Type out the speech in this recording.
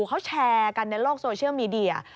เขาแชร์กันในโลกโซเชียลมีเดีย